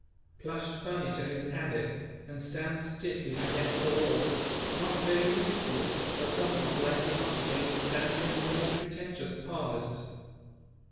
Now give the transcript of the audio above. Plush furniture is added and stands stiffly against the wall; not very useful, but somewhat like the article which stands in more pretentious parlours.